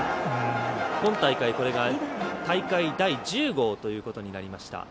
今大会、これが大会第１０号ということになりました。